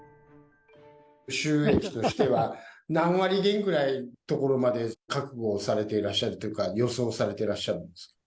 収益としては、何割減ぐらいのところまで覚悟をされてらっしゃるというか、予想されてらっしゃるんですか。